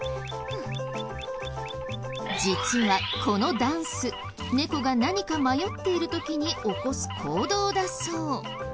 実はこのダンス猫が何か迷っている時に起こす行動だそう。